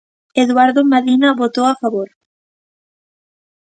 Eduardo Madina votou a favor.